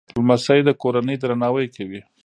لمسی د کورنۍ درناوی کوي.